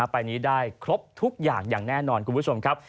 ไปนี้ได้ครบทุกอย่างอย่างแน่นอนคุณผู้ชมครับ